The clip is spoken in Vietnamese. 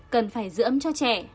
bảy cần phải giữ ấm cho trẻ